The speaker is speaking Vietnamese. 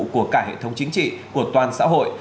của cả hệ thống chính trị của toàn xã hội